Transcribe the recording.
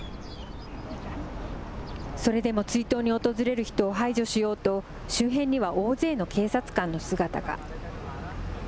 それでも追悼に訪れる人を排除しようと、周辺には大勢の警察官の姿が。